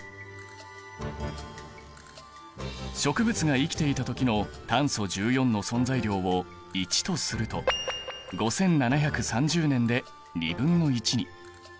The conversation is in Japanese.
植物が生きていた時の炭素１４の存在量を１とすると５７３０年で２分の１に。